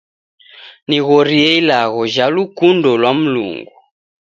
Nighorie ilagho ja lukundo lwa Mlungu.